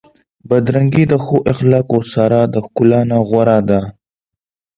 بدرنګي د ښو اخلاقو سره د ښکلا نه غوره ده.